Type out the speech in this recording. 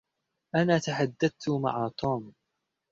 أنا تحدثت مع توم.